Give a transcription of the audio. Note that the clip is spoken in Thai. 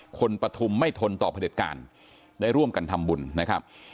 ปฐุมไม่ทนต่อพระเด็จการได้ร่วมกันทำบุญนะครับ